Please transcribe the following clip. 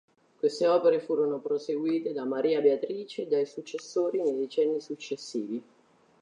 Queste opere furono proseguite da Maria Beatrice e dai successori nei decenni successivi.